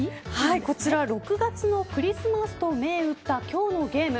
こちら６月のクリスマスと銘打った今日のゲーム。